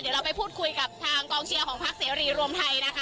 เดี๋ยวเราไปพูดคุยกับทางกองเชียร์ของพักเสรีรวมไทยนะคะ